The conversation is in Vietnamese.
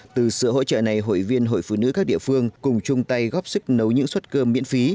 từ sự hỗ trợ này hội viên hội phụ nữ các địa phương cùng chung tay góp sức nấu những suất cơm miễn phí